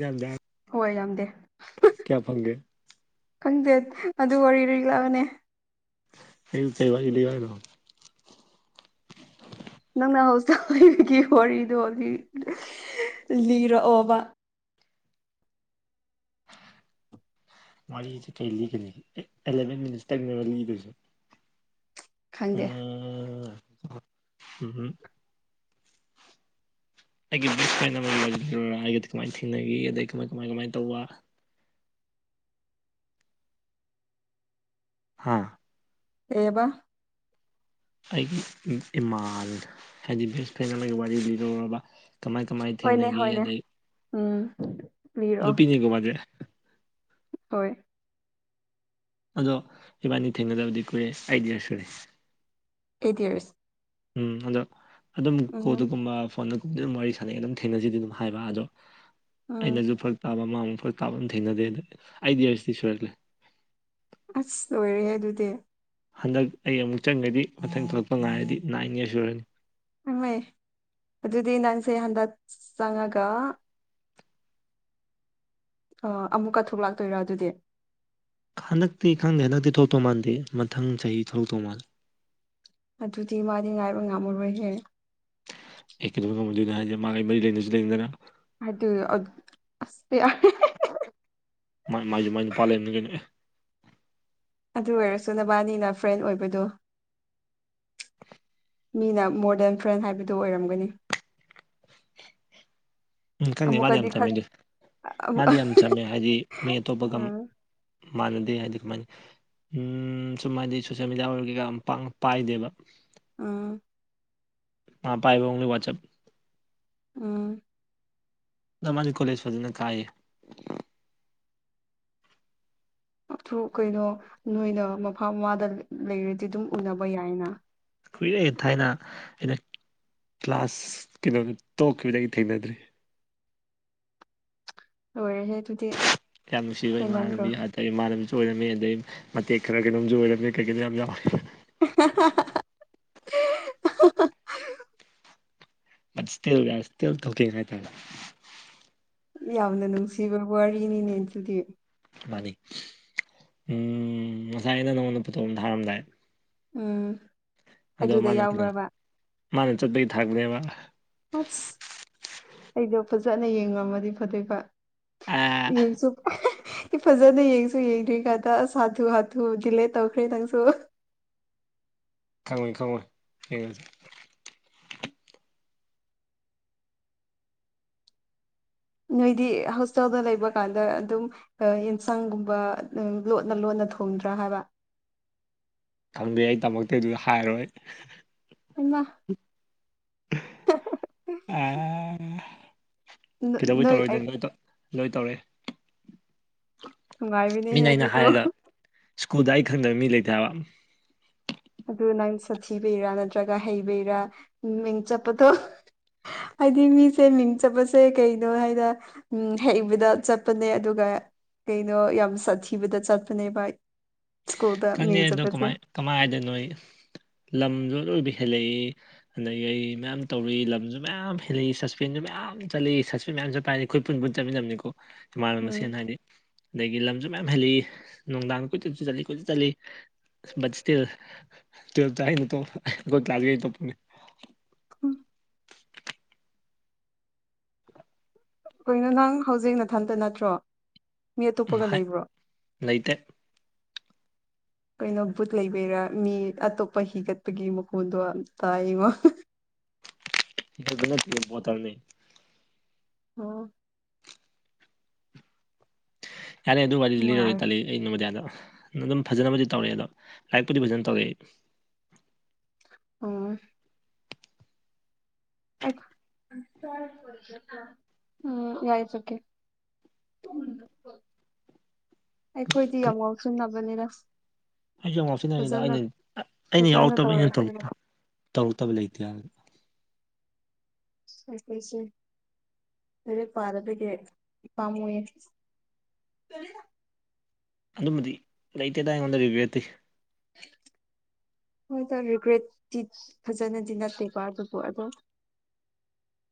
ꯖꯟ ꯗꯦꯝ ꯍꯥꯏꯝ [unintelligible] ꯑꯣꯏꯔꯝꯗꯦ ꯍꯥ ꯍꯥ ꯈꯪꯗꯦ ꯑꯗꯨ ꯋꯥꯔꯤ ꯔꯤꯛꯂꯛꯑꯕꯅꯦ꯫ ꯑꯩꯕꯨ ꯀꯩ ꯋꯥꯔꯤ ꯂꯤꯌꯣ ꯍꯥꯏꯅꯣ꯫ ꯅꯪꯅ ꯑꯣꯖꯥ ꯑꯣꯏꯕꯒꯤ ꯋꯥꯔꯤꯗꯣ ꯂꯤꯔꯛꯑꯣ ꯋꯥꯔꯤꯁꯦ ꯀꯩ ꯂꯤꯒꯅꯤ ꯑꯦꯂꯥꯚꯦꯟ ꯃꯤꯅꯤꯠꯇꯪꯅꯦꯕ ꯂꯤꯗꯣꯏꯁꯦ ꯈꯪꯗꯦ [unintelligible] ꯑꯩꯒꯤ ꯕꯦꯁ ꯐ꯭ꯔꯦꯟ ꯑꯃꯩ ꯋꯥꯔꯤ ꯂꯤꯔꯣꯔꯥ ꯑꯩꯒꯥ ꯀꯃꯥꯏꯅ ꯊꯦꯡꯅꯈꯤ ꯑꯗꯩ ꯀꯃꯥꯏ ꯀꯃꯥꯏ ꯀꯃꯥꯏꯅ ꯇꯧꯕ ꯍꯥꯥ ꯀꯩꯕꯥ ꯑꯩꯒꯤ ꯏꯃꯥ ꯍꯥꯏꯗꯤ ꯕꯦꯁ ꯐ꯭ꯔꯦꯟ ꯑꯃꯒꯤ ꯋꯥꯔꯤ ꯂꯤꯔꯨꯔꯕ ꯍꯣꯏꯅꯦ ꯍꯣꯏꯅꯦ ꯎꯝ ꯂꯤꯔꯛꯑꯣ ꯅꯨꯄꯤꯅꯤꯀꯤ ꯃꯥꯁꯦ ꯍꯣꯏ꯫ ꯑꯗꯣ ꯏꯕꯥꯅꯤ ꯊꯦꯡꯅꯗꯕꯥꯗꯤ ꯀꯨꯏꯔꯦ [unintelligible] ꯑꯩꯠ ꯌꯥꯔꯁ ꯎꯝ ꯍꯟꯗꯛ ꯑꯗꯨꯝ ꯎꯝ ꯀꯣꯜ ꯗꯥꯒꯨꯝꯕ ꯐꯣꯟꯗꯥ ꯑꯗꯨꯝ ꯋꯥꯔꯤ ꯁꯥꯟꯅꯩ ꯑꯗꯨꯝ ꯊꯦꯡꯅꯁꯤꯗꯤ ꯑꯗꯨꯝ ꯍꯥꯏꯕ ꯑꯗꯣ ꯎꯝ ꯑꯩꯅꯁꯨ ꯐꯔꯛ ꯇꯥꯕ ꯃꯥ ꯃꯨꯛ ꯐꯔꯛ ꯇꯥꯕ ꯑꯗꯨꯝ ꯊꯦꯡꯅꯗꯦ ꯑꯗꯨꯒꯤ ꯑꯥꯏꯠ ꯌꯥꯔꯗꯤ ꯁꯨꯔꯥꯛꯂꯦ ꯑꯁ ꯂꯣꯏꯔꯦꯍꯦ ꯑꯗꯨꯗꯤ ꯍꯟꯗꯛ ꯑꯩ ꯑꯃꯨꯛ ꯆꯪꯉꯗꯤ ꯃꯊꯪ ꯊꯣꯛꯂꯛꯄ ꯉꯥꯏꯔꯗꯤ ꯅꯥꯏꯟ ꯌꯥꯔꯁ ꯁꯨꯔꯅꯤ ꯑꯗꯨꯗꯤ ꯅꯪꯁꯦ ꯍꯟꯗꯛ ꯆꯪꯉꯥꯒ ꯑꯣ ꯑꯃꯨꯛꯀꯥ ꯊꯣꯛ ꯂꯥꯛꯇꯣꯏꯔꯥ ꯑꯗꯨꯗꯤ ꯍꯟꯗꯛꯇꯤ ꯈꯪꯗꯦ ꯍꯟꯗꯛꯇꯤ ꯊꯣꯛꯇꯧ ꯃꯥꯟꯗꯦ ꯃꯊꯪ ꯆꯍꯤ ꯊꯣꯛ ꯇꯧ ꯃꯥꯜꯂꯤ ꯑꯗꯨꯗꯤ ꯃꯥꯗꯤ ꯉꯥꯏꯕ ꯉꯝꯃꯥꯔꯣꯏꯍꯦ ꯑꯦ ꯀꯩꯗꯧꯕꯩ ꯉꯝꯃꯣꯏ ꯗꯣꯏꯅꯣ ꯍꯥꯏꯁꯦ ꯃꯥꯒꯥ ꯑꯩ ꯃꯔꯤ ꯂꯩꯁꯨ ꯂꯩꯅꯗꯅ [unintelligible] ꯃꯥꯏ ꯃꯥꯏꯁꯨ ꯃꯥꯏ ꯅꯨꯄꯥ ꯂꯩꯕꯅꯤ ꯀꯩꯅꯣ ꯑꯗꯨ ꯑꯣꯏꯔꯁꯨ ꯅꯕꯥꯅꯤꯅ ꯐ꯭ꯔꯦꯟ ꯑꯣꯏꯕꯗꯣ ꯃꯤꯅ ꯃꯣꯔ ꯗꯦꯟ ꯐ꯭ꯔꯦꯟ ꯍꯥꯏꯕꯗꯨ ꯑꯣꯏꯔꯝꯒꯅꯤ [inaudible] ꯎꯝ ꯈꯪꯗꯦ ꯃꯥꯗꯤ ꯑꯃꯨꯛꯀꯗꯤ ꯌꯥꯝ ꯈꯠ ꯆꯝꯃꯤꯗꯨ ꯑꯃꯨꯛ ꯃꯥꯗꯤ ꯌꯥꯝ ꯆꯝꯃꯦ ꯍꯥꯏꯗꯤ ꯃꯤ ꯑꯇꯣꯞꯄꯒ ꯎꯝ ꯃꯥꯟꯅꯗꯦ ꯍꯥꯏꯗꯤ ꯀꯃꯥꯏꯅ ꯎꯝ ꯁꯨꯝ ꯍꯥꯏꯗꯤ ꯁꯣꯁꯦꯜ ꯃꯦꯗꯤꯌꯥ ꯑꯣꯏꯔꯥ ꯀꯩꯀꯥ ꯄꯥꯛꯅꯥ ꯄꯥꯏꯗꯦꯕ ꯎꯝ [unintelligible] ꯎꯝ ꯃꯥꯗꯤ ꯀꯣꯂꯦꯖ ꯐꯖꯅ ꯀꯥꯏꯌꯦ ꯥꯑꯗꯨ ꯀꯩꯅꯣ ꯅꯣꯏꯅ ꯃꯐꯝ ꯃꯥꯗ ꯂꯩꯔꯗꯤ ꯑꯗꯨꯝ ꯎꯅꯕ ꯌꯥꯏꯅ ꯀꯨꯏꯔꯦ ꯊꯥꯏꯅ ꯑꯩꯅ ꯀ꯭ꯂꯥꯁ ꯀꯩꯅꯣ ꯇꯣꯛꯈꯤꯕꯥꯗꯩꯩ ꯊꯦꯡꯅꯗꯔꯦ ꯂꯣꯏꯍꯦꯔꯦ ꯑꯗꯨꯗꯤ ꯌꯥꯝ ꯅꯨꯡꯁꯤꯕꯥ ꯍꯦꯟꯃꯟꯗ꯭ꯔꯣ ꯏꯃꯥꯥꯅꯕꯤꯅꯦ ꯑꯗꯨ ꯑꯩ ꯏꯃꯥꯟꯅꯕꯤꯁꯨ ꯑꯣꯏꯔꯝꯃꯦ ꯑꯗꯩ ꯃꯇꯦꯛ ꯈꯔꯥ ꯀꯩꯅꯣꯝꯁꯨ ꯑꯣꯏꯔꯝꯃꯦ ꯀꯩ ꯀꯩꯅꯣ ꯌꯥꯝ ꯌꯥꯎꯋꯦ [unintelligible] [unintelligible] ꯌꯥꯝꯅ ꯅꯨꯡꯁꯤꯕ ꯋꯥꯔꯤꯅꯤꯅꯦ ꯑꯗꯨꯗꯤ ꯃꯥꯅꯤ ꯎꯝ ꯉꯁꯥꯏꯅꯥ ꯅꯪꯉꯣꯟꯗꯥ ꯐꯣꯇꯣ ꯑꯃꯥ ꯊꯥꯔꯝꯗꯥꯏ ꯎꯝ ꯑꯗꯣ ꯑꯗꯨꯗ ꯃꯥꯅ ꯑꯗꯨꯝ ꯌꯥꯎꯕ꯭ꯔꯕ ꯃꯥꯅ ꯆꯠꯄꯒꯤ ꯊꯥꯔꯛꯄꯥꯅꯦꯕ ꯑꯁ ꯑꯩꯗꯣ ꯐꯖꯥꯅ ꯌꯦꯡꯉꯝꯃꯗꯤ ꯐꯥꯗꯣꯏꯕꯥ ꯑꯥ ꯌꯦꯡ ꯆꯨꯞ ꯑꯩ ꯐꯖꯥꯅ ꯌꯦꯡꯁꯨ ꯌꯦꯡꯗ꯭ꯔꯤ ꯀꯥꯟꯗꯥ ꯑꯁ ꯍꯥꯊꯨ ꯍꯥꯊꯨ ꯗꯤꯂꯦꯠ ꯇꯧꯈ꯭ꯔꯦ ꯅꯪꯁꯨ ꯈꯪꯉꯣꯏ ꯈꯪꯉꯣꯏ ꯌꯦꯡ ꯅꯣꯏꯗꯤ ꯍꯣꯁꯇꯦꯜꯗ ꯂꯩꯕ ꯀꯥꯟꯗ ꯑꯗꯨꯝ ꯌꯦꯟꯁꯥꯡꯒꯨꯝꯕ ꯂꯣꯠꯅ ꯂꯣꯠꯅ ꯊꯣꯡꯗ꯭ꯔꯥ ꯍꯥꯏꯕ ꯈꯪꯗꯦ ꯑꯩ ꯇꯝꯃꯛꯇꯦ ꯑꯗꯨꯗ ꯍꯥꯏꯔꯣꯏ ꯍꯥꯏꯃꯥ ꯑ ꯑꯥ ꯅ- ꯀꯩꯗꯧꯕꯩ ꯅꯣꯏ ꯑꯩ ꯇꯧꯔꯛꯑꯣꯏꯗꯩꯩꯅꫭ ꯂꯣꯏ ꯇꯧꯔꯛꯑꯦ ꯅꯨꯡꯉꯥꯏꯕꯅꯦꯍꯦ ꯃꯤꯅ ꯑꯩꯅ ꯑꯗꯨꯗꯣ ꯍꯥꯏꯔꯒ ꯏꯁ꯭ꯀꯨꯜꯗ ꯑꯩ ꯈꯪꯗꯕ ꯃꯤ ꯂꯩꯇꯦ ꯍꯥꯏꯕ ꯑꯗꯨ ꯅꯪ ꯁꯥꯊꯤꯕꯩꯔꯥ ꯅꯠꯇ꯭ꯔꯒ ꯍꯩꯕꯩꯔꯥ ꯃꯤꯡ ꯆꯠꯄꯗꯣ ꯑꯩꯗꯤ ꯃꯤꯁꯦ ꯃꯤꯡ ꯆꯠꯄꯁꯦ ꯀꯩꯅꯣ ꯍꯥꯏꯅ ꯎꯝ ꯍꯩꯕꯗ ꯆꯠꯄꯅꯦ ꯑꯗꯨꯒ ꯀꯩꯅꯣ ꯌꯥꯝ ꯁꯥꯊꯤꯕꯗ ꯆꯠꯄꯅꯦꯕ ꯏꯁ꯭ꯀꯨꯜꯗ ꯈꯪꯗꯦ ꯃꯤꯡ ꯑꯗꯣ ꯆꯠꯄꯁꯦ ꯀꯃꯥꯏ ꯀꯃꯥꯏ ꯍꯥꯏꯗꫭꯏꯅꯣ ꯑꯩ ꯂꯝꯖꯨ ꯑꯔꯣꯏꯕꯤ ꯍꯦꯜꯂꯛꯏ ꯑꯗꯒꯤ ꯑꯩ ꯃꯌꯥꯝ ꯇꯧꯔꯤ ꯂꯝꯖꯨ ꯃꯌꯥꯝ ꯍꯦꯜꯂꯤ ꯁꯁꯄꯦꯟꯖꯨ ꯃꯌꯥꯝ ꯆꯠꯂꯤ ꯁꯁꯄꯦꯟ ꯃꯌꯥꯝꯖꯨ ꯄꯥꯏꯔꯤ ꯑꯩꯈꯣꯏ ꯄꯨꯟ ꯄꯨꯟ ꯆꯠꯃꯤꯟꯅꯕꯅꯤꯀꯣ ꯏꯃꯥꯟꯅ ꯎꯝ ꯃꯁꯦꯟ ꯍꯥꯏꯗꯤ ꯑꯗꯒꯤ ꯂꯝꯖꯨ ꯃꯌꯥꯝ ꯍꯦꯜꯂꯤꯛ ꯅꯨꯡꯗꯥꯡ ꯀꯨꯏꯆꯠꯁꯨ ꯆꯠꯂꯤ ꯀꯦꯏꯆꯠ ꯆꯠꯂꯤ ꯕꯨꯠ ꯁꯇꯤꯜ ꯇꯨꯌꯦꯜꯄꯇꯥ ꯑꯩꯅꯥ ꯇꯣꯞ ꯒꯣꯗ ꯇꯕꯒꯤ ꯐꯪꯏ ꯎꯝ ꯀꯩꯅꫭ ꯅꯪ ꯍꯧꯖꯤꯛ ꯅꯊꯟꯇ ꯅꯠꯇ꯭ꯔꯣ ꯃꯤ ꯑꯇꯣꯞꯄꯒ ꯂꯩꯕ꯭ꯔꯣ ꯂꯩꯇꯦ [unintelligible] ꯀꯩꯅꯣ ꯕꯨꯠ ꯂꯩꯕꯩꯔꯥ ꯃꯤ ꯑꯇꯣꯞꯄ ꯍꯤꯒꯠꯄꯒꯤ ꯃꯈꯣꯟꯗꯣ ꯇꯥꯏꯌꯦꯉꫭ [unintelligible] ꯑꯣ ꯌꯥꯔꯦ ꯑꯗꯨ ꯋꯥꯔꯤꯗꯤ ꯂꯤꯔꯔꯣꯏ ꯃꯥꯜꯂꯦ ꯇꯜꯂꯤ ꯑꯩ ꯅꯣꯕꯣꯗꯤꯌꯥꯗ ꯑꯗꯨꯝ ꯐꯖꯅꯕꯨꯗꯤ ꯇꯧꯔꯛꯑꯦ ꯑꯗꯣ ꯂꯥꯏꯔꯤꯛꯄꯨꯗꯤ ꯐꯖꯅ ꯇꯧꯔꯛꯑꯦ ꯑꯣ ꯑꯩꯈꯣ ꯎꯝ ꯌꯥꯏ ꯆꯠꯀꯦ ꯑꯩꯈꯣꯏꯗꯤ ꯌꯥꯝ ꯉꯥꯎꯁꯟꯅꯕꯅꯤꯅꯗ ꯑꯩꯁꯨ ꯌꯥꯝ ꯉꯥꯎꯁꯤꯟꯅꯔꯛꯏꯗ ꯑꯩꯅ ꯑꯩꯅ ꯐꯖꯅ ꯌꯥꯎꯔꯛꯇꯕ ꯑꯩꯅ ꯇꯧꯔꯛꯀꯦꯕ ꯇꯧꯔ ꯇꯧꯔꯛꯇꯕ ꯂꯩꯇꯦ ꯍꯥꯏꯕ ꯑꯦ [unintelligible] ꯂꯥꯏꯔꯤꯛ ꯄꯥꯔꯥꯗꯤ ꯄꯥꯝꯃꯨꯏ ꯑꯗꯨꯝꯕꯗꯤ ꯂꯩꯇꯦꯗ ꯑꯩꯉꯣꯟꯗꯗꯤ ꯔꯤꯒ꯭ꯔꯦꯠꯇꯤ [unintelligible] ꯍꯣꯏꯗ ꯔꯤꯒ꯭ꯔꯦꯠꯇꯤ ꯐꯖꯅꯗꯤ ꯅꯠꯇꯦꯕ ꯑꯗꯨꯕꯨ ꯑꯗꯨꯝ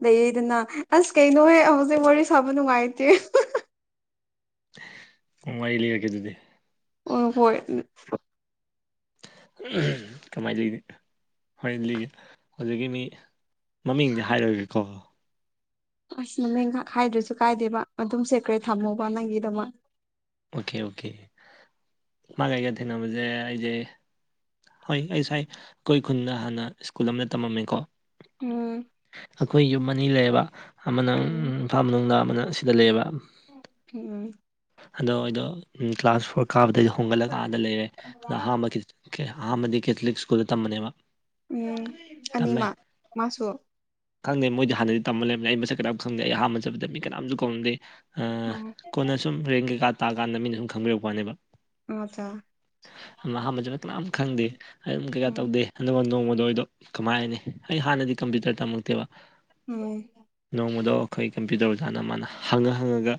ꯂꯩꯌꯦꯗꯅ ꯑꯁ ꯀꯩꯅꯣꯍꯦ ꯍꯧꯖꯤꯛ ꯋꯥꯔꯤ ꯁꯥꯕ ꯅꯨꯡꯉꯥꯏꯇꯦ ꯎꯝ ꯋꯥꯔꯤ ꯂꯩꯔꯛꯀꯦ ꯑꯗꯨꯗꯤ ꯍꫭꯏ ꯍꯣꯏ ꯎꯝ ꯀꯃꯥꯏꯅ ꯂꯩꯗꯣꯏꯅꯣ ꯋꯥꯔꯤ ꯂꯤꯒꯦ ꯍꯧꯖꯤꯛꯀꯤ ꯃꯤ ꯃꯃꯤꯡꯗꯤ ꯍꯥꯏꯔꯣꯏꯒꯦꯀꯣ ꯑꯁ ꯃꯃꯤꯡꯒꯥ ꯍꯥꯏꯗ꯭ꯔꯁꯨ ꯀꯥꯏꯗꯦꯕ ꯑꯗꯨꯝ ꯁꯦꯠꯀꯔ꯭ꯦꯠ ꯊꯝꯃꯨꯕ ꯅꯪꯒꯤꯗꯃꯛ ꯑꯣꯀꯦ ꯑꯣꯀꯦ ꯃꯥꯒꯥ ꯑꯩꯒꯥ ꯊꯦꯡꯅꯕꯁꯦ ꯑꯩꯁꯦ ꯍꯣꯏ ꯑꯩ ꯁ꯭ꯥꯏ ꯑꯩꯈꯣꯏ ꯈꯨꯟꯗ ꯍꯥꯟꯅ ꯏꯁ꯭ꯀꯨꯜ ꯑꯃꯗ ꯇꯝꯃꯝꯃꯦꯀꯣ ꯎꯝ ꯑꯩꯈꯣꯏ ꯌꯨꯝ ꯑꯅꯤ ꯂꯩꯌꯦꯕ ꯑꯃꯅ ꯎꯝ ꯏꯝꯐꯥꯜ ꯃꯅꯨꯡꯗ ꯑꯃꯅ ꯁꯤꯗ ꯂꯩꯌꯦꯕ ꯎꯝ ꯑꯗꯣ ꯑꯩꯗꯣ ꯀ꯭ꯂꯥꯁ ꯐꯣꯔ ꯀꯥꯕꯗꯩ ꯍꯣꯡꯒꯠꯂꯒꯥ ꯑꯥꯗ ꯂꯩꯔꯦ ꯑꯍꯥꯟꯕꯒꯤ ꯑꯍꯥꯟꯕꯗꯤ ꯀꯦꯊꯣꯂꯤꯛ ꯏꯁ꯭ꯀꯨꯜꯗ ꯇꯝꯕꯅꯦꯕ ꯎꯝ ꯇꯝꯃꯦ ꯑꯅꯤꯃꯛ ꯃꯥꯁꯨ ꯈꯪꯗꯦ ꯃꯣꯏꯗꯤ ꯍꯥꯟꯅꯗꯩꯩ ꯇꯝꯕ ꯂꯩꯔꯝꯕꯅꯤ ꯑꯩ ꯃꯁꯛ ꯀꯅꯥꯝ ꯈꯪꯗꯦ ꯑꯩ ꯑꯥꯍꯥꯟꯕ ꯆꯠꯄꯗ ꯃꯤ ꯀꯅꯥꯝꯖꯨ ꯀꯧꯅꯗꯦ ꯑꯥ ꯎꯝ ꯀꯣꯟꯅ ꯁꯨꯝ ꯔꯦꯡ ꯀꯩꯀꯥ ꯇꯥ ꯀꯥꯟꯗ ꯃꯤꯅ ꯗꯨꯝ ꯈꯪꯕꯤꯔꯛꯄꯅꯦꯕ ꯑꯆꯥ ꯑꯍꯥꯥꯟꯕꯗꯅ ꯀꯅꯥꯝ ꯈꯪꯗꯦ ꯑꯗꯨꯝ ꯀꯩꯀꯥ ꯎꯝ ꯇꯧꯗꯦ ꯑꯗꯨꯒ ꯅꯣꯡꯃꯗꯣ ꯑꯩꯗꯣ ꯀꯃꯥꯏꯅꯅꯤ ꯑꯩ ꯍꯥꯟꯅꯗꯤ ꯀꯝꯄ꯭ꯌꯨꯇꯔ ꯇꯝꯃꯛꯇꯦꯕ ꯎꯝ ꯅꯣꯡꯃꯥꯗꯣ ꯑꯩꯈꯣꯏ ꯀꯝꯄ꯭ꯌꯨꯇꯔ ꯑꯣꯖꯥꯅ ꯃꯥꯅ ꯍꯪꯉꯥ ꯍꯪꯉꯥꯒ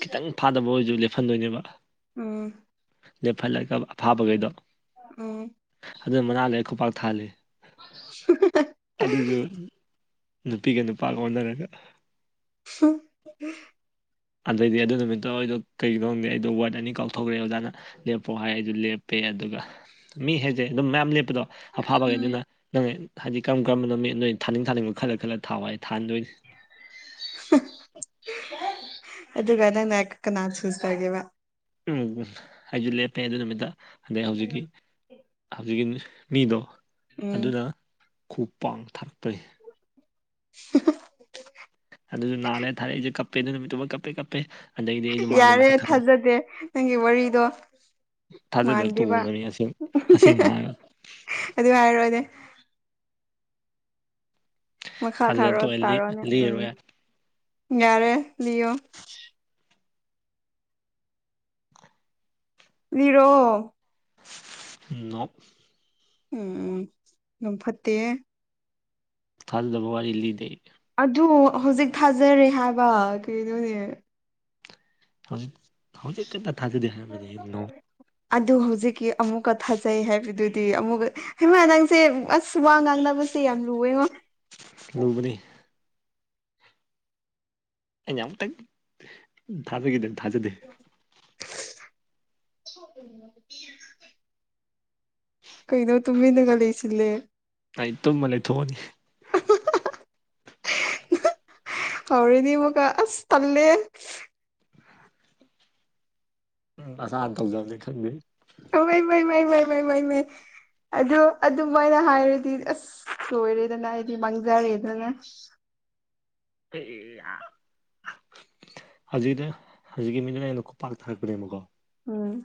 ꯈꯤꯇꯪ ꯐꯥꯗꯕ ꯑꯣꯏꯁꯨ ꯂꯦꯞꯐꯟꯗꯣꯏꯅꯦꯕ ꯎꯝ ꯂꯦꯞꯐꯜꯂꯒ ꯑꯐꯥꯕꯒꯩꯗꯣ ꯎꯝ ꯑꯗꯨ ꯃꯅꯥ ꯂꯩ ꯈꯨꯄꯥꯛ ꯊꯥꯍꯜꯂꯤ [inaudible] ꯑꯗꯨꯖꯨ ꯅꯨꯄꯤꯒ ꯅꯨꯄꯥꯒ ꯑꯣꯟꯅꯔꯒ [unintelligible] ꯑꯗꯩꯗꯤ ꯑꯗꯨ ꯅꯨꯃꯤꯠꯇꯣ ꯑꯩꯗꯣ ꯀꯩꯒꯤꯅꯣ ꯈꯪꯗꯦ ꯋꯥꯔꯗ ꯑꯅꯤ ꯀꯥꯎꯊꯣꯛꯈ꯭ꯔꯦ ꯑꯣꯖꯥꯅ ꯂꯦꯞꯄꯣ ꯍꯥꯏ ꯑꯩꯗꯨ ꯂꯦꯞꯄꯦ ꯑꯗꯨꯒ ꯃꯤ ꯍꯥꯏꯁꯦ ꯑꯗꯨꯝ ꯃꯌꯥꯝ ꯂꯦꯞꯄꯗꯣ ꯑꯐꯥꯕꯒꯩꯗꯨꯅ ꯅꯪ ꯍꯥꯏꯗꯤ ꯀꯔꯝ ꯀꯔꯝꯕꯣ ꯃꯤ ꯅꯣꯏ ꯊꯥꯅꯤꯡ ꯊꯥꯅꯤꯡꯕ ꯈꯜꯂꯥ ꯈꯜꯂꯥ ꯊꯥꯎ ꯍꯥꯏ ꯊꯥꯍꯟꯗꯣꯅꯤ ꯑꯗꯨꯒ ꯅꯪꯅ ꯀꯅꯥ ꯆꯨꯁ ꯇ꯭ꯔꯒꯦꯕ ꯎꯝ ꯑꯩꯁꯨ ꯂꯦꯞꯄꯦ ꯑꯗꯨ ꯅꯨꯃꯤꯠꯇ ꯑꯗꯩ ꯍꯧꯖꯤꯛꯀꯤ ꯍꯧꯖꯤꯛꯀꯤ ꯃꯤꯗꯣ ꯎꯝ ꯑꯗꯨꯅ ꯈꯨ ꯄꯥꯡ ꯊꯥꯔꯛꯄꯖꯤ [inaudible] ꯑꯗꯨꯁꯨ ꯂꯥꯂꯩ ꯊꯥꯔꯛꯑꯦ ꯑꯩꯁꯦ ꯀꯞꯄꯦ ꯑꯗꯨ ꯅꯨꯃꯤꯠꯇꯨꯃꯥ ꯀꯞꯄꯦ ꯀꯞꯄꯦ ꯑꯗꯩꯗꯤ ꯑꯩꯁꯨ ꯃꯥꯗꯣ ꯌꯥꯔꯦ ꯃꯁꯛ ꯈꯪ ꯊꯥꯖꯗꯦ ꯅꯪꯒꯤ ꯋꯥꯔꯤꯗꯣ ꯊꯥꯖꯗꯕ ꯃꯥꯟꯗꯦꯕ ꯇꯣꯡꯗꯕꯅꯤ ꯑꯁꯦꯡ ꯑꯁꯦꯡꯕ [unintelligible] ꯍꯥꯏꯔꯒ ꯑꯗꯨ ꯍꯥꯏꯔꯣꯅꯦ ꯃꯈꯥ ꯊꯥꯖꯗ ꯊꯔꯣ ꯇꯣꯛꯑꯦ ꯇꯥꯔꯣꯅꯦ ꯎꯝ ꯂꯤꯔꯔꯣꯏ ꯌꯥꯔꯦ ꯂꯤꯌꯣ ꯂꯤꯔꯛꯑꯣ ꯅꫭ ꯎꯝ ꯎꯝ ꯌꯥꯝ ꯐꯠꯇꯦꯍꯦ ꯊꯥꯖꯗꯕ ꯋꯥꯔꯤ ꯂꯤꯗꯦ ꯑꯗꯨ ꯍꯧꯖꯤꯛ ꯊꯥꯖꯔꯦ ꯍꯥꯏꯕ ꯀꯩꯅꯣꯅꯦ ꯍꯧꯖꯤꯛ ꯍꯧꯖꯤꯛ ꯇꯥꯗꯥ ꯊꯥꯖꯗꯦ ꯍꯥꯏꯔꯝꯕꯅꯤ ꯅꯣ ꯑꯗꯨ ꯍꯧꯖꯤꯛꯀꯤ ꯑꯃꯨꯛꯀꯥ ꯊꯥꯖꯩ ꯍꯥꯏꯕꯗꯨꯗꯤ ꯑꯃꯨꯛꯀꯥ ꯍꯩꯃꯥ ꯅꯪꯁꯦ ꯑꯁ ꯋꯥ ꯉꯥꯡꯅꯕꯁꯦ ꯌꯥꯝ ꯂꯨꯑꯦꯉꯣ ꯂꯨꯕꯅꯤ ꯑꯩꯅ ꯑꯃꯨꯛꯇꯪ ꯊꯥꯖꯒꯤꯗ ꯊꯥꯖꯗꯦ [inaudible] [inaudible] ꯀꯩꯅꯣ ꯇꯨꯃꯤꯅꯒ ꯂꯩꯁꯤꯜꯂꯦ ꯑꯩ ꯇꯨꯝꯃꯥ ꯂꯩꯊꯣꯛꯑꯅꯤ ꯍꯥꯎꯔꯤꯅꯤ ꯃꯨꯛꯀꯥ ꯑꯁ ꯇꯜꯂꯦ ꯎꯝ ꯅꯁꯥ ꯇꯧꯖꯝꯅꯤ ꯈꯪꯗꯦ ꯑꯃꯩ ꯃꯩ ꯃꯩ ꯃꯩ ꯃꯩ ꯃꯩ ꯑꯗꯨ ꯑꯗꯨꯝꯥꯏꯅ ꯍꯥꯏꯔꯗꯤ ꯑꯁ ꯁꯣꯏꯔꯦꯗꯅ ꯑꯩꯗꯤ ꯃꯥꯡꯖꯔꯦꯗꯅ [unintelligible] ꯍꯧꯖꯤꯛꯗ ꯍꯧꯖꯤꯛꯀꯤ ꯃꯤꯗꯨꯅ ꯑꯩꯉꯣꯟꯗ ꯈꯨꯄꯥꯛ ꯊꯥꯔꯛꯄꯅꯦꯕꯀꯣ ꯎꯝ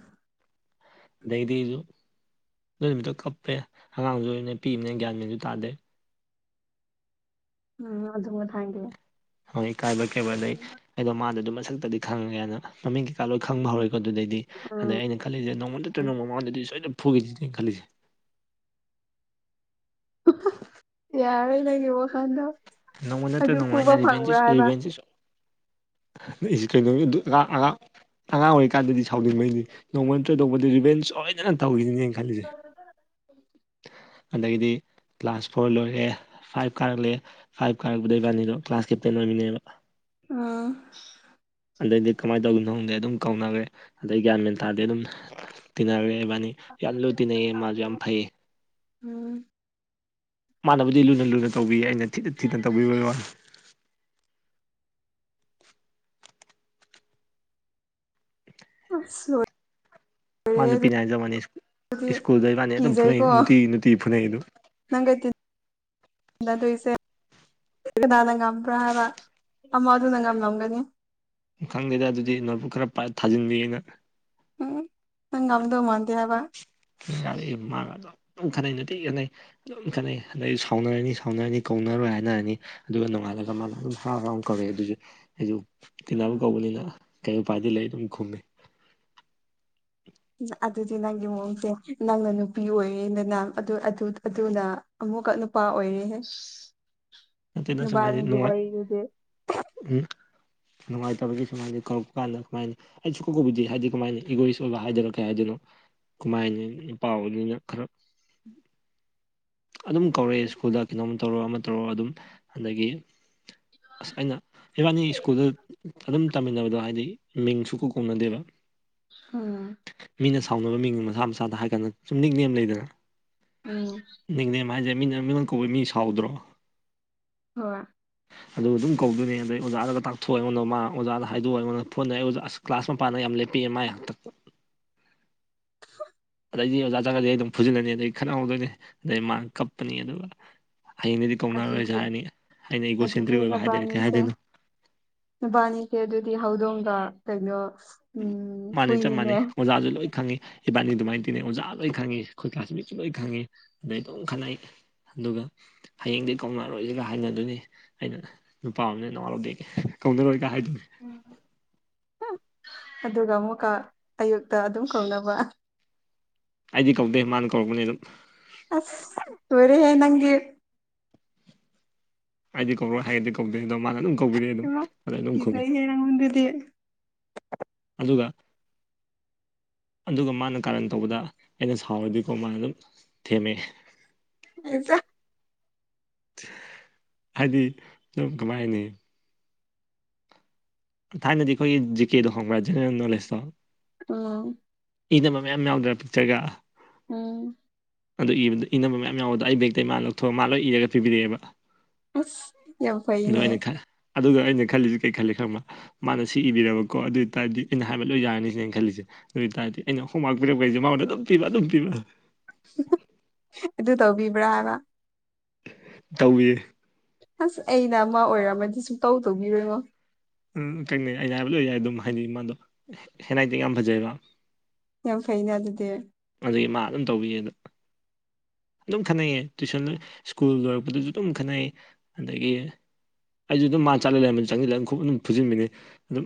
ꯑꯗꯩꯗꯤ ꯑꯩꯁꯨ ꯑꯗꯨꯏ ꯅꯨꯃꯤꯠꯇꯣ ꯀꯞꯄꯦ ꯑꯉꯥꯡꯁꯨ ꯑꯣꯏꯅ ꯄꯤꯏꯕꯅꯤꯅ ꯒ꯭ꯌꯥꯟ ꯃꯦꯟꯁꯨ ꯇꯥꯗꯦ ꯎꯝ ꯑꯗꯨꯒ [unintelligible] ꯍꯣꯏ ꯏꯀꯥꯏꯕꯣꯏ ꯀꯩꯕꯣꯏ ꯑꯗꯩ ꯑꯩꯗꯣ ꯃꯥꯗꯣ ꯑꯗꯨꯝ ꯃꯁꯛꯇꯗꯤ ꯈꯪꯉꯦꯅ ꯃꯃꯤꯡ ꯀꯩꯀꯥ ꯂꯣꯏ ꯈꯪꯕ ꯍꯧꯔꯦ ꯑꯗꯨꯗꯩꯗꯤ ꯑꯗꯩ ꯑꯩꯅ ꯈꯜꯂꯤꯁꯦ ꯅꯣꯡꯃ ꯅꯠꯇꯥ ꯅꯣꯡꯃ ꯃꯉꯣꯟꯗꯗꯤ ꯁꯣꯏꯗ ꯐꯨꯈꯤꯒꯤ ꯑꯩꯅ ꯈꯜꯂꯤꯁꯦ ꯌꯥꯔꯦ ꯂꯩꯒꯦ ꯋꯥꯈꯥꯟꯗꯣ ꯅꯣꯡꯃ ꯅꯠꯇ꯭ꯔ ꯑꯗꯨ ꯅꯣꯡꯃ ꯄꯨꯕ ꯑꯩꯅ ꯔꯤꯚꯦꯟꯁꯦ ꯐꯪꯕ꯭ꯔꯥ ꯍꯥꯏꯕ ꯔꯤꯚꯦꯟꯁꯦ ꯁꯣꯏꯗꯅ [unintelligible] ꯑꯉꯥꯡ ꯑꯣꯏꯔꯤꯀꯥꯟꯗꯗꯤ ꯁꯥꯎꯅꯤꯡꯕꯩꯅꯤ ꯅꯣꯡꯃ ꯅꯥꯠꯇꯔꯥ ꯅꯣꯡꯃꯥꯗꯤ ꯔꯤꯚꯦꯟ ꯁꯣꯏꯗꯅ ꯇꯧꯈꯤꯅꯤ ꯈꯜꯂꯤꯖꯦ ꯑꯗꯩꯗꯤ ꯀ꯭ꯂꯥꯁ ꯐꯣꯔ ꯂꯣꯏꯔꯛꯑꯦ ꯐꯥꯏꯚ ꯀꯥꯔꯛꯂꯦ ꯐꯥꯏꯚ ꯀꯥꯔꯛꯄꯗ ꯏꯕꯥꯅꯤꯗꯣ ꯀ꯭ꯂꯥꯁ ꯀꯦꯞꯇꯦꯟ ꯑꯣꯏꯃꯩꯑꯦꯕ ꯑꯥ ꯑꯗꯩꯗꯤ ꯀꯃꯥꯏꯅ ꯇꯧꯒꯤꯕꯅꯣ ꯈꯪꯗꯦ ꯑꯗꯨꯝ ꯀꯧꯅꯈ꯭ꯔꯦ ꯑꯗꯩ ꯒ꯭ꯌꯥꯟ ꯃꯦꯟ ꯇꯥꯔꯗꯦ ꯑꯗꯨꯝ ꯇꯤꯟꯅꯔꯦ ꯏꯕꯥꯅꯤ ꯌꯥꯝ ꯂꯨ ꯇꯤꯟꯅꯩꯌꯦ ꯃꯥꯁꯨ ꯌꯥꯝ ꯐꯩꯌꯦ ꯎꯝ ꯃꯥꯟꯅꯕꯗꯤ ꯂꯨꯅ ꯂꯨꯅ ꯇꯧꯕꯤ ꯑꯩꯅ ꯊꯤꯅ ꯊꯤꯅ ꯇꯧꯕꯤꯕꯩ ꯋꯥꯅꯤ ꯑꯁ ꯂꯣꯏ ꯃꯥ ꯅꯨꯄꯤꯅ ꯍꯥꯏꯖꯕ ꯋꯥꯅꯤ ꯏꯁ ꯑꯗꯨꯗꯤ ꯁ꯭ꯀꯨꯜꯗꯩ ꯏꯕꯅꯤ ꯑꯗꯨꯝ ꯐꯨꯅꯩ ꯀꯤꯖꯩꯀꯣ ꯅꯨꯡꯇꯤ ꯅꯨꯡꯇꯤ ꯐꯨꯅꯩ ꯑꯗꯨ [unintelligible] ꯀꯅꯥꯅ ꯉꯝꯕ꯭ꯔꯥ ꯍꯥꯏꯕ ꯑꯃ ꯑꯗꯨꯅ ꯉꯝꯂꯝꯒꯅꯤ ꯈꯪꯗꯦꯗ ꯑꯗꯨꯗꯤ ꯅꯣꯠꯕꯨ ꯈꯔ ꯄꯥꯏ ꯊꯥꯖꯤꯟꯕꯤꯅꯤꯅ ꯎꯝ ꯅꯪ ꯉꯝꯗꯧ ꯃꯥꯟꯗꯦ ꯍꯥꯏꯕ ꯌꯥꯔꯦ ꯃꯥꯒ ꯑꯗꯨꯝ ꯈꯠꯅꯩꯩ ꯅꯨꯡꯇꯤ ꯈꯠꯅꯩ ꯑꯗꯨꯝ ꯈꯦꯠꯅꯩ ꯑꯗꯩ ꯁꯥꯎꯅꯔꯅꯤ ꯁꯥꯎꯅꯔꯅꯤ ꯀꯧꯅꯔꯣꯏ ꯍꯥꯏꯅꯔꯅꯤ ꯑꯗꯨꯒ ꯅꯣꯡꯉꯥꯜꯂꯒ ꯃꯥꯅ ꯑꯗꯨꯝ ꯍꯔꯥꯎ ꯍꯔꯥꯎ ꯀꯧꯋꯦ ꯑꯗꯨꯁꯨ ꯑꯩꯁꯨ ꯇꯤꯅꯕ ꯀꯧꯕꯅꯤꯅ ꯀꯩ ꯎꯄꯥꯏꯗꯤ ꯂꯩ ꯑꯗꯨꯝ ꯈꯨꯝꯃꯤ ꯑꯗꯨꯗꯤ ꯅꯪꯒꯤ ꯃꯑꯣꯡꯁꯦ ꯅꯪꯅ ꯅꯨꯄꯤ ꯑꯣꯏꯌꯦꯗꯅ ꯑꯗꯨ‌ ꯑꯗꯨ ꯑꯗꯨꯅ ꯑꯃꯨꯛꯀ ꯅꯨꯄꯥ ꯑꯣꯏꯔꯦꯍꯦ ꯅꯠꯇꯦꯗ ꯅꯕꯅꯤꯒꯤ ꯋꯥꯔꯤꯖꯤꯗꯤ ꯎꯝ ꯅꯨꯡꯉꯥꯏꯇꯕꯒꯤ ꯁꯨꯃꯥꯏꯅ ꯀꯧꯔꯛꯄ ꯀꯥꯟꯗ ꯀꯃꯥꯏꯅ ꯑꯩ ꯁꯨꯀꯧ ꯀꯧꯕꯤꯗꯤ ꯍꯥꯏꯗꯤ ꯀꯃꯥꯏꯅ ꯏꯒꯣꯏꯔꯤꯁ ꯑꯣꯏꯕ ꯍꯥꯏꯗꯅꯣ ꯀꯩ ꯍꯥꯏꯗꯣꯏꯅꯣ ꯀꯃꯥꯏꯅ ꯍꯥꯏꯅꯤ ꯅꯨꯄꯥ ꯑꯣꯏꯕꯅꯤꯅ ꯈꯔ ꯑꯗꯨꯝ ꯀꯧꯔꯛꯑꯦ ꯁ꯭ꯀꯨꯜ ꯀꯩꯅꯣꯝ ꯇꯧꯔꯣ ꯑꯃ ꯇꯧꯔꯣ ꯑꯗꯨꯝ ꯑꯗꯒꯤ ꯑꯁ ꯑꯩꯅ ꯏꯕꯥꯅꯤ ꯁ꯭ꯀꯨꯜꯗ ꯑꯗꯨꯝ ꯇꯝꯃꯤꯟꯅꯕꯗꯣ ꯍꯥꯏꯗꯤ ꯃꯤꯡꯁꯨ ꯁꯨꯀꯧ ꯀꯧꯅꯗꯦꯕ ꯑꯥ ꯃꯤꯅ ꯁꯥꯎꯅꯕ ꯃꯤꯡ ꯃꯁꯥ ꯃꯁꯥꯗ ꯍꯥꯏꯒꯅꯨ ꯁꯨꯝ ꯅꯤꯛꯅꯦꯝ ꯂꯩꯗꯅ ꯑꯧ ꯅꯤꯡꯅꯦꯝ ꯍꯥꯏꯁꯦ ꯃꯤꯅ ꯃꯤꯅ ꯀꯧꯕ ꯃꯤ ꯁꯥꯎꯗ꯭ꯔꯣ ꯍꯣꯏ ꯑꯗꯨ ꯑꯗꯨꯝ ꯀꯧꯗꯣꯏꯅꯦ ꯑꯗꯩ ꯑꯣꯖꯥꯗꯨꯒ ꯇꯥꯛꯊꯣꯛꯑ ꯑꯩꯉꯣꯟꯗ ꯃꯥꯅ ꯑꯣꯖꯥꯗ ꯍꯥꯏꯗꯣꯛꯑ ꯑꯩꯉꯣꯟꯗ ꯐꯨꯍꯥꯟꯗꯣꯏꯅꯦ ꯑꯣꯖꯥ ꯑꯁ ꯀ꯭ꯂꯥꯁ ꯃꯄꯥꯟꯗꯒ ꯌꯥꯝ ꯂꯦꯞꯄꯤꯑ ꯃꯥꯏ ꯍꯥꯛꯇꯛꯇ [unintelligible] ꯑꯗꯩꯗꯤ ꯑꯣꯖꯥ ꯖꯒꯗꯤ ꯑꯩ ꯑꯗꯨꯝ ꯐꯨꯖꯤꯜꯂꯅꯤ ꯑꯗꯩ ꯈꯠꯍꯧꯗꯣꯏꯅꯦ ꯑꯗꯩ ꯃꯥ ꯀꯞꯄꯅꯤ ꯑꯗꯨꯒ ꯍꯌꯦꯡꯗꯗꯤꯠ ꯑꯗꯨꯗꯤ ꯑꯗꯨꯒꯤ ꯑꯣꯏꯕ ꯍꯥꯏꯗꯔꯦ ꯀꯩ ꯅꯕꯥꯅꯤꯁꯦ ꯍꯥꯏꯗꯣꯏꯅꯣ ꯅꯨꯕꯥꯅꯤꯁꯦ ꯑꯗꯨꯗꯤ ꯍꯧꯗꯣꯡꯒ ꯀꯩꯅꯣ ꯎꯝ ꯃꯥꯥꯅꯤ ꯆꯞ ꯍꯨꯏꯅꯤꯅꯦ ꯃꯥꯟꯅꯩ ꯑꯣꯖꯥꯁꯨ ꯂꯣꯏ ꯈꯪꯉꯤ ꯏꯕꯥꯅꯤ ꯑꯗꯨꯃꯥꯏꯅ ꯇꯤꯅꯩ ꯑꯣꯖꯥ ꯂꯣꯏ ꯈꯪꯉꯤ ꯑꯩꯈꯣꯏ ꯀ꯭ꯂꯥꯥꯁ ꯃꯤꯁꯨ ꯂꯣꯏ ꯈꯪꯉꯤ ꯑꯗꯩ ꯑꯗꯨꯝ ꯈꯠꯅꯩ ꯑꯗꯨꯒ ꯍꯌꯦꯡꯗꯤ ꯀꯧꯅꯔꯣꯏꯁꯤꯒ ꯍꯥꯏꯅꯗꯣꯏꯅꯤ ꯑꯩꯅ ꯅꯨꯄꯥ ꯑꯃꯅꯦ ꯅꯋꯥꯔꯧꯗꯦꯒ ꯀꯧꯅꯔꯣꯏ ꯀ ꯍꯥꯏꯗꯨꯏꯅꯤ ꯎ ꯑꯗꯨꯒ ꯑꯃꯨꯛꯀ ꯑꯌꯨꯛꯇ ꯑꯗꯨꯝ ꯀꯧꯅꯕ ꯑꯩꯗꯤ ꯀꯧꯗꯦ ꯃꯥꯅ ꯀꯧꯔꯛꯄꯅꯤ ꯑꯗꯨꯝ ꯑꯁ ꯂꯣꯏꯔꯦꯍꯦ ꯅꯪꯒꯤ ꯑꯩꯗꯤ ꯀꯧꯔꯣꯏ ꯍꯥꯏꯔꯗꯤ ꯀꯧꯗꯦ ꯑꯗꯣ ꯃꯥꯅ ꯑꯗꯨꯝ ꯀꯧꯕꯤꯔꯦ ꯑꯗꯨꯝ ꯏꯃꯥ ꯑꯗꯩ ꯑꯗꯨꯝ ꯈꯨꯝꯃꯤ ꯀꯤꯖꯩꯍꯦ ꯅꯪꯉꯣꯟꯗꯗꯤ ꯑꯗꯨꯒ ꯑꯗꯨꯒ ꯃꯥꯅ ꯀꯥꯔꯟ ꯇꯧꯕꯗ ꯑꯩꯅ ꯁꯥꯎꯔꯗꯤꯀꯣ ꯃꯥꯅ ꯑꯗꯨꯝ ꯊꯦꯝꯃꯦ [unintelligible] ꯍꯥꯏꯗꯤ ꯁꯨꯝ ꯀꯃꯥꯏ ꯍꯥꯏꯅꯤ ꯊꯥꯏꯅꯗꯤ ꯑꯩꯈꯣꯏꯒꯤ ꯖꯤ ꯀꯦ ꯗꯣ ꯈꯡꯕ꯭ꯔꯥ ꯖꯦꯅꯔꯦꯜ ꯅꯣꯂꯦꯖꯇꯣ ꯑꯥ ꯏꯅꯕ ꯃꯌꯥꯝ ꯌꯥꯎꯗ꯭ꯔꯥ ꯄꯤꯛꯆꯔꯒ ꯎꯝ ꯑꯗꯨ ꯏꯕꯗ ꯏꯅꯕ ꯃꯌꯥꯝ ꯌꯥꯎꯕꯗꯣ ꯑꯩ ꯕꯦꯛꯇꯩ ꯃꯥ ꯂꯧꯊꯣꯛꯑ ꯃꯥ ꯂꯣꯏ ꯏꯔꯒ ꯄꯤꯕꯤꯔꯛꯑꯦꯕ ꯑꯁ ꯌꯥꯝ ꯑꯗꯣ ꯐꯩꯅꯦ ꯑꯩꯅ ꯈꯜ ꯑꯗꯨꯒ ꯑꯩꯅ ꯈꯜꯂꯤꯁꯤ ꯀꯩ ꯈꯜꯂꯤ ꯈꯪꯕ꯭ꯔꯥ ꯃꯥꯅ ꯁꯤ ꯏꯕꯤꯔꯕ ꯀꯣ ꯑꯗꯨ ꯑꯣꯏꯇꯥꯔꯗꯤ ꯑꯩꯅ ꯍꯥꯏꯕ ꯂꯣꯏ ꯌꯥꯔꯅꯤꯁꯤꯅꯦ ꯑꯩꯅ ꯈꯜꯂꯤꯁꯦ ꯑꯗꯨ ꯑꯣꯏꯇꯥꯔꯗꯤ ꯑꯩꯅ ꯍꯣꯡꯃꯥꯛ ꯄꯤꯔꯛꯄꯩꯁꯦ ꯃꯥꯉꯣꯟꯗ ꯑꯗꯨꯝ ꯄꯤꯕ ꯑꯗꯨꯝ ꯄꯤꯕ ꯍ ꯍ ꯑꯗꯨ ꯇꯧꯕꯤꯕ꯭ꯔꯥ ꯍꯥꯏꯕ ꯇꯧꯕꯤ ꯑꯁ ꯑꯩꯅ ꯃꯥ ꯑꯣꯏꯔꯝꯃꯗꯤ ꯁꯨꯡꯇꯧ ꯇꯧꯕꯤꯔꯣꯏꯉꯣ ꯎꯝ [unintelligible] ꯑꯩꯅ ꯍꯥꯏꯕ ꯂꯣꯏ ꯌꯥꯏ ꯑꯗꯨꯝ ꯍꯥꯏꯗꯤ ꯃꯥꯗꯣ ꯍꯦ ꯍꯦꯟꯔꯥꯏꯇꯤꯡ ꯌꯥꯝ ꯐꯖꯩꯑꯕ ꯌꯥꯝ ꯐꯩꯅ ꯑꯗꯨꯗꯤ ꯑꯗꯒꯤ ꯃꯥ ꯑꯗꯨꯝ ꯇꯧꯕꯤꯌꯦ ꯑꯗꯣ ꯑꯗꯨꯝ ꯈꯠꯅꯩꯌꯦ ꯇꯨꯏꯁꯟ ꯁ꯭ꯀꯨꯜ ꯂꯣꯏꯔꯛꯄꯗꯁꯨ ꯑꯗꯨꯝ ꯈꯠꯅꯩ ꯑꯗꯒꯤ ꯑꯩꯁꯨ ꯑꯗꯨꯝ ꯃꯥ ꯆꯠꯂ ꯂꯩꯔꯝꯕ ꯆꯪꯁꯤꯜꯂ ꯑꯗꯨ ꯈꯨꯨꯞ ꯑꯗꯨꯝ ꯐꯨꯖꯤꯟꯕꯅꯤ ꯑꯗꯨꯝ